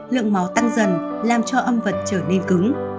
lượng máu tăng dần làm cho âm vật trở nên cứng